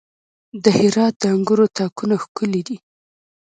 د هرات د انګورو تاکونه ښکلي دي.